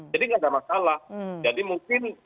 jadi nggak ada masalah jadi mungkin